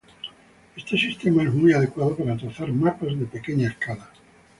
Este sistema es muy adecuado para trazar mapas de pequeña escala.